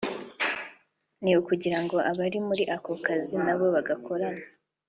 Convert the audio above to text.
ni ukugira ngo abari muri ako kazi n’abo bagakorana